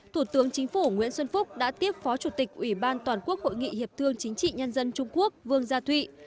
thủ tướng chính phủ nguyễn xuân phúc đã tiếp phó chủ tịch ủy ban toàn quốc hội nghị hiệp thương chính trị nhân dân trung quốc vương gia thụy